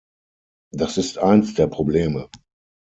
Das ist eins der Probleme.